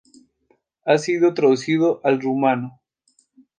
Ha sido traducido al rumano.